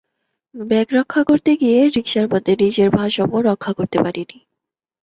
Bag রক্ষা করতে গিয়ে রিকশার মধ্যে নিজের ভারসাম্য রক্ষা করতে পারিনি।